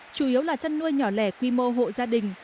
chủ yếu là chăn nuôi nhỏ lẻ quy mô hộ gia đình